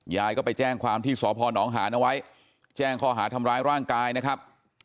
ยายก็ไปแจ้งความที่สพนหานเอาไว้แจ้งข้อหาทำร้ายร่างกายนะครับ